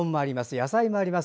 野菜もあります。